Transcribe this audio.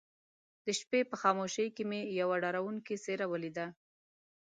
د شپې په خاموشۍ کې مې يوه ډارونکې څېره وليده.